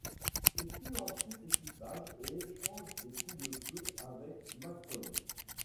Il tue ensuite l'équipage et échange des coups de feu avec McCone.